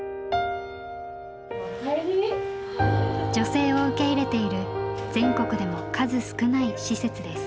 女性を受け入れている全国でも数少ない施設です。